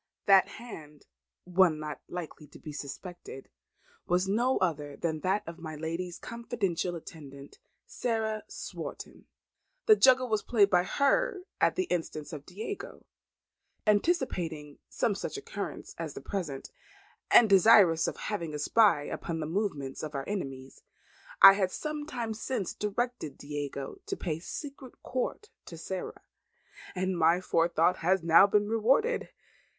That hand, one not likely to be suspected, was no other than that of my lady's confidential attendant, Sarah Swarton. The juggle was played by her at the instance of Diego. Anticipating some such occurrence as the present, and desirous of having a spy upon the movements of our enemies, I some time since directed Diego to pay secret court to Sarah, and my forethought has now been rewarded.